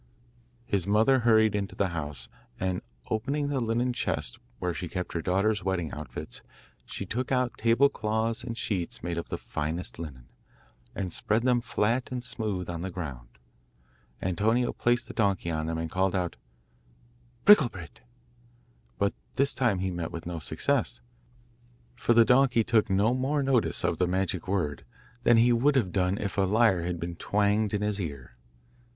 His mother hurried into the house, and opening the linen chest where she kept her daughters' wedding outfits, she took out table cloths and sheets made of the finest linen, and spread them flat and smooth on the ground. Antonio placed the donkey on them, and called out 'Bricklebrit.' But this time he met with no success, for the donkey took no more notice of the magic word than he would have done if a lyre had been twanged in his ear.